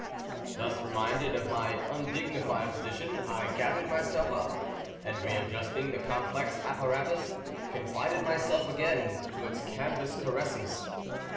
] Thus reminded of my undignified position, I gathered myself up, and readjusting the complex apparatus, confided myself again to its canvas caresses.